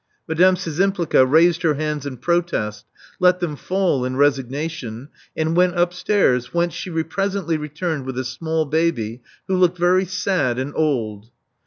Madame Szczympliga raised her hands in protest; let them fall in resignation ; and went upstairs, whence she presently returned with a small baby who looked very sad and old.